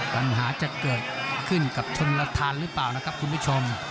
ปัญหาจะเกิดขึ้นกับชนระทานหรือเปล่านะครับคุณผู้ชม